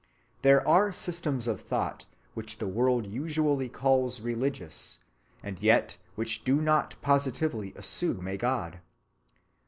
There are systems of thought which the world usually calls religious, and yet which do not positively assume a God.